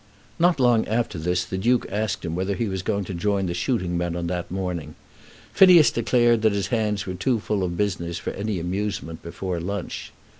Not long after this the Duke asked him whether he was going to join the shooting men on that morning. Phineas declared that his hands were too full of business for any amusement before lunch.